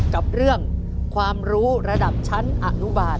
กับเรื่องความรู้ระดับชั้นอนุบาล